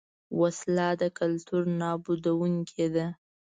وسله د کلتور نابودوونکې ده